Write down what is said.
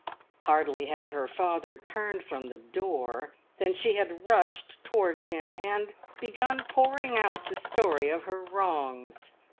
Hardly had her father turned from the door than she had rushed towards him, and begun pouring out the story of her wrongs.